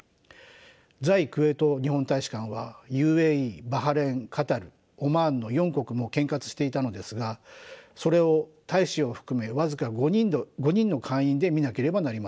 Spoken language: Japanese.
在クウェート日本大使館はＵＡＥバハレーンカタルオマーンの４国も兼轄していたのですがそれを大使を含め僅か５人の館員で見なければなりませんでした。